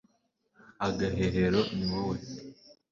agahehero, ni wowe